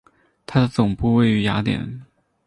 它的总部位于雅典。